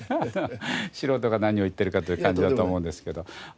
素人が何を言ってるかという感じだと思うんですけど。